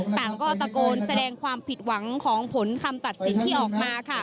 ต่างก็ตะโกนแสดงความผิดหวังของผลคำตัดสินที่ออกมาค่ะ